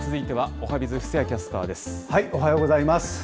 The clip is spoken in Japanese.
おはようございます。